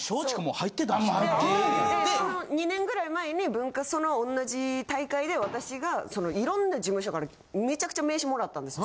その２年くらい前にその同じ大会で私がいろんな事務所からめちゃくちゃ名刺貰ったんですよ